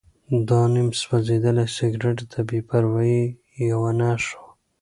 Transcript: دا نیم سوځېدلی سګرټ د بې پروایۍ یوه نښه وه.